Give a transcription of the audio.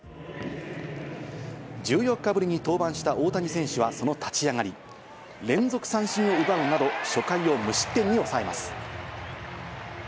１４日ぶりに登板した大谷選手はその立ち上がり、連続三振を奪うなど、初回を無失点に抑えます。